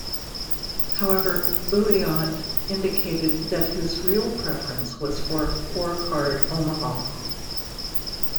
However, Ulliott indicated that his real preference was for four card Omaha.